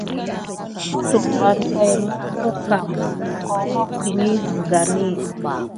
Kutuk va tät mume kam kehokini sigani.